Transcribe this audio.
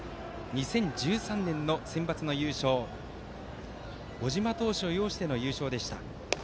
２０１３年のセンバツの優勝は小島投手を擁しての優勝でした。